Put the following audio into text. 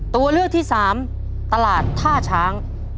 ตัวเลือกที่สามตลาดท่าช้าง